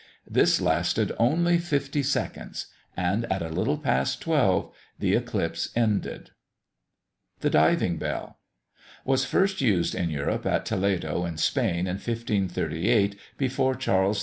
This lasted only fifty seconds; and, at a little past 12, the eclipse ended. THE DIVING BELL. Was first used in Europe at Toledo, in Spain, in 1538, before Charles V.